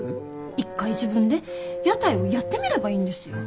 一回自分で屋台をやってみればいいんですよ。